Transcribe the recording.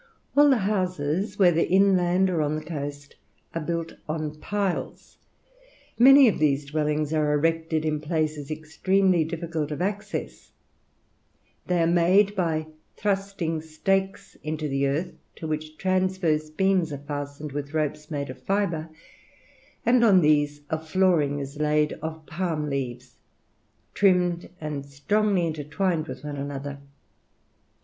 All the houses, whether inland or on the coast, are built on piles. Many of these dwellings are erected in places extremely difficult of access. They are made by thrusting stakes into the earth, to which transverse beams are fastened with ropes made of fibre, and on these a flooring is laid of palm leaves, trimmed and strongly intertwined one with another.